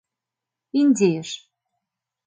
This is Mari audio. — Индийыш.